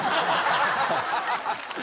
ハハハハ！